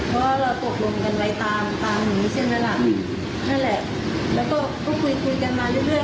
เพราะเราปกรณ์กันไว้ตามหนูนี้เช่นแหละแล้วก็คุยกันมาเรื่อย